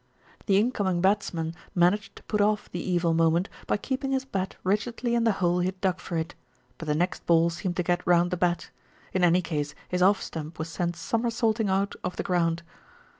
The incoming batsman managed to put off the evil moment by keeping his bat rigidly in the hole he had dug for it; but the next ball seemed to get round the bat. In any case his off stump was sent somersaulting out of the ground.